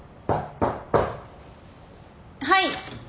・はい。